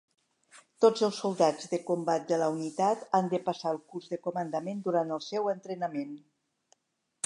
Tots els soldats de combat de la unitat han de passar el curs de comandant durant el seu entrenament.